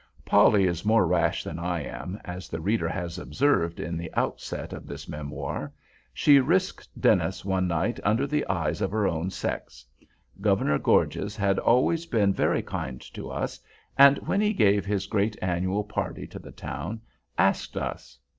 Polly is more rash than I am, as the reader has observed in the outset of this memoir. She risked Dennis one night under the eyes of her own sex. Governor Gorges had always been very kind to us; and when he gave his great annual party to the town, asked us.